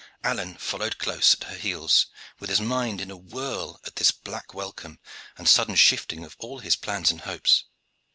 Alleyne followed close at her heels, with his mind in a whirl at this black welcome and sudden shifting of all his plans and hopes.